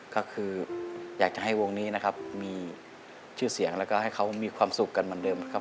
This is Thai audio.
ก็คืออยากจะให้วงนี้นะครับมีชื่อเสียงแล้วก็ให้เขามีความสุขกันเหมือนเดิมครับ